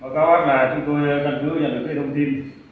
báo cáo bác là chúng tôi gần trước nhận được cái thông tin